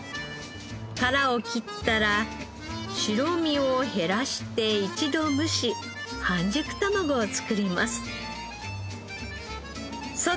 殻を切ったら白身を減らして一度蒸し半熟たまごを作ります。